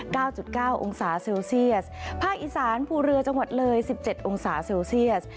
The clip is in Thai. เก้าจุดเก้าองศาเซลเซียสภาคอีสานภูเรือจังหวัดเลยสิบเจ็ดองศาเซลเซียส